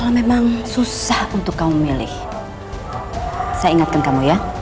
kalau memang susah untuk kamu milih saya ingatkan kamu ya